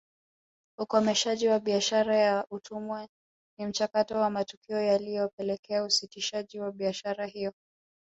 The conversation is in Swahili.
Ukomeshaji wa biashara ya utumwa ni mchakato wa matukio yaliyopelekea usitishaji wa biashara hiyo